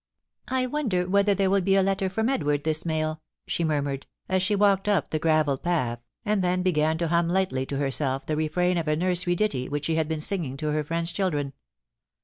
*I wonder whether there will be a letter from Edward this mail,' she murmured, as she walked up the gravel path, and then began to hum lightly to herself the refrain of a nursery ditty which she had been singing to her friend's children.